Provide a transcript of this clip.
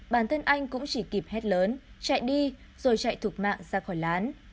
bản thân anh cũng chỉ kịp hét lớn chạy đi rồi chạy thục mạng ra khỏi lán